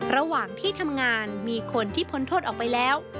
ระหว่างที่ทำงานมีคนที่พ้นโทษออกไปแล้ว